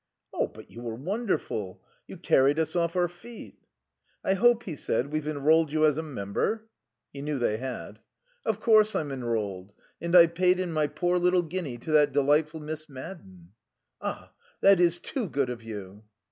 "Oh, but you were wonderful. You carried us off our feet." "I hope," he said, "we've enrolled you as a member?" (He knew they had.) "Of course I'm enrolled. And I've paid in my poor little guinea to that delightful Miss Madden." "Ah, that is too good of you."